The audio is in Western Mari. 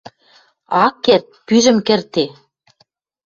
Ак керд, пӱжӹм кӹрде.